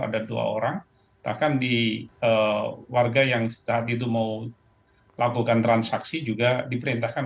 ada dua orang bahkan di warga yang saat itu mau lakukan transaksi juga diperintahkan